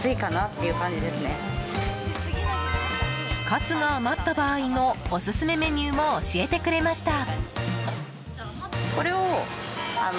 カツが余った場合のオススメメニューも教えてくれました。